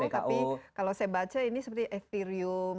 tapi kalau saya baca ini seperti epirium